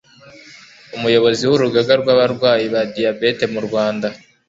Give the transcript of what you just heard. Umuyobozi w'Urugaga rw'abarwayi ba Diabète mu Rwanda